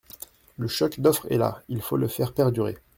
Le choc d’offre est là ; il faut le faire perdurer.